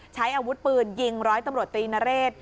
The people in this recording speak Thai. ใช้อาวุธปืนยิงร้อยตำรวจตรีนเรศ